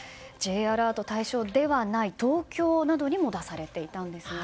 Ｊアラート対象ではない東京などにも出されていたんですね。